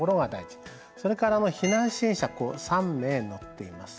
それから避難支援者３名載っています。